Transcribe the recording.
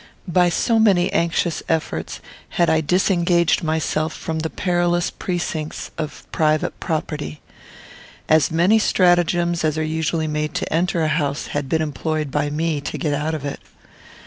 By so many anxious efforts had I disengaged myself from the perilous precincts of private property. As many stratagems as are usually made to enter a house had been employed by me to get out of it.